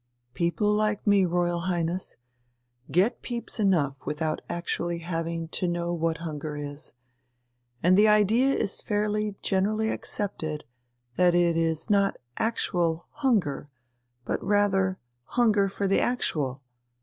"People like me, Royal Highness, get peeps enough without having actually to know what hunger is; and the idea is fairly generally accepted that it is not actual hunger, but rather hunger for the actual